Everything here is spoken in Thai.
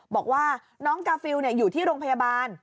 บอกว่าน้องกาฟิลอยู่ที่โรงพยาบาล